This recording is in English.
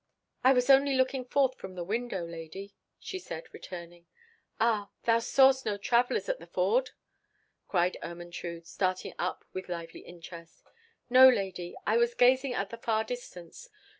"I was only looking forth from the window, lady," she said, returning. "Ah! thou saw'st no travellers at the Ford?" cried Ermentrude, starting up with lively interest. "No, lady; I was gazing at the far distance.